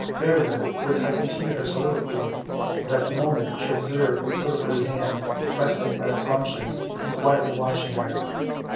Fairer would have continued her soliloquy, but at the moment she observed the silver footed hind resting on its haunches and quietly watching her.